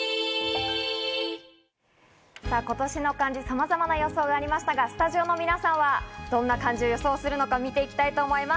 今年の漢字、さまざまな予想がありましたが、スタジオの皆さんはどんな漢字を予想するのか見ていきたいと思います。